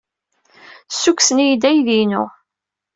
Ssukksen-iyi-d aydi-inu.